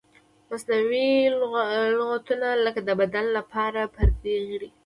مصنوعي لغتونه لکه د بدن لپاره پردی غړی وي.